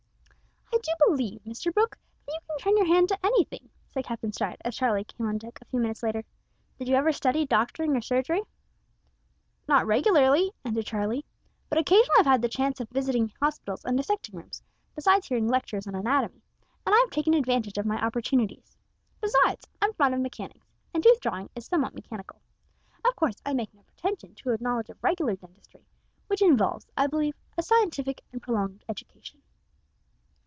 "I do believe, Mr Brooke, that you can turn your hand to anything," said Captain Stride, as Charlie came on deck a few minutes later. "Did you ever study doctoring or surgery?" "Not regularly," answered Charlie; "but occasionally I've had the chance of visiting hospitals and dissecting rooms, besides hearing lectures on anatomy, and I have taken advantage of my opportunities. Besides, I'm fond of mechanics; and tooth drawing is somewhat mechanical. Of course I make no pretension to a knowledge of regular dentistry, which involves, I believe, a scientific and prolonged education."